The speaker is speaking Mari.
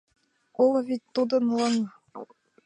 Уло вет тудын лыҥ.